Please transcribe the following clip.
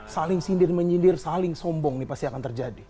saling sindir menyindir saling sombong ini pasti akan terjadi